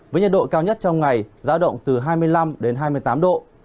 với nhiệt độ cao nhất trong ngày giá động từ hai mươi năm đến hai mươi tám độ